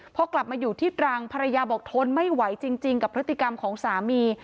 พอกลับมาอยู่ที่ตรังภรรยาบอกทนไม่ไหวจริงกับพฤติกรรมของสามี